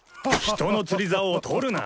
人の釣りざおを取るな！